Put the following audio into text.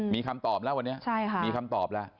มีคำตอบแล้ววันนี้ใช่ค่ะมีคำตอบละ